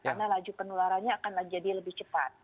karena laju penularannya akan jadi lebih cepat